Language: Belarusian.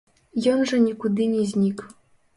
Ён жа нікуды не знік.